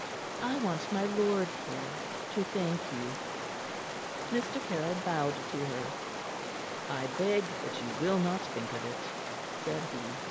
I want my lord, here, to thank you." Mr. Caryll bowed to her. "I beg that you will not think of it," said he.